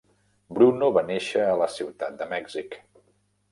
Bruno va néixer a la Ciutat de Mèxic.